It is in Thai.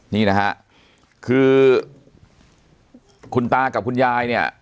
นี่นะฮะคือคุณตากับคุณยายเนี่ย